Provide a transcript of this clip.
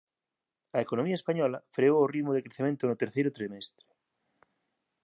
A economía española freou o ritmo de crecemento no terceiro trimestre